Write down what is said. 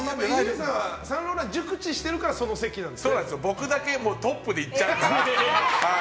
伊集院さんはサンローランを熟知しているから僕だけトップでいっちゃうから。